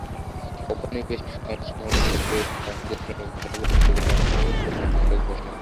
ঔপনিবেশিক সমাজকাঠামোতে বেড়ে-ওঠা মধ্যশ্রেণীর ভাষার পরিবর্তে তাঁর নাটকে প্রাধান্য পেয়েছে লোকভাষা।